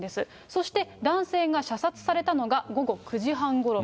そして男性が射殺されたのが午後９時半ごろ。